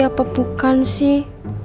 apa bukan sih